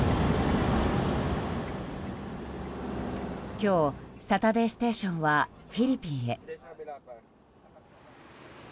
今日「サタデーステーション」はフィリピンへ。